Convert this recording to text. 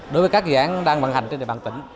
đối với các dự án đang vận hành trên địa bàn tỉnh